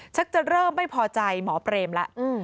ชักจะเริ่มไม่พอใจหมอเปรมล่ะอืม